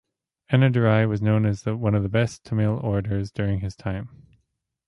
Annadurai was known as one of the best Tamil orators during his time.